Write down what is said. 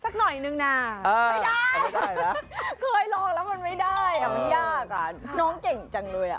สักหน่อยนึงนะไม่ได้นะเคยลองแล้วมันไม่ได้อ่ะมันยากอ่ะน้องเก่งจังเลยอ่ะ